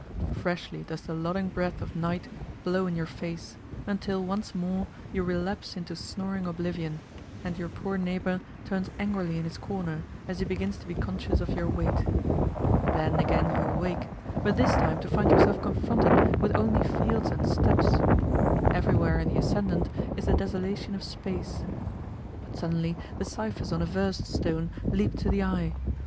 Freshly does the lulling breath of night blow in your face, until once more you relapse into snoring oblivion, and your poor neighbour turns angrily in his corner as he begins to be conscious of your weight. Then again you awake, but this time to find yourself confronted with only fields and steppes. Everywhere in the ascendant is the desolation of space. But suddenly the ciphers on a verst stone leap to the eye!